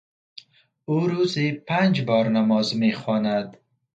او روزی پنج بار نماز میخواند.